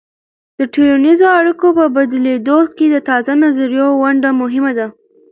د ټولنیزو اړیکو په بدلیدو کې د تازه نظریو ونډه مهمه ده.